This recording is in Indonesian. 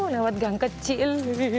lewat gang kecil